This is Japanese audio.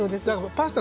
パスタ